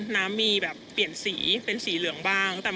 น้ำมีแบบเปลี่ยนสีเป็นสีเหลืองบ้าง